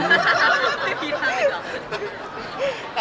ได้อย่างนี้พี่ท้ายครับ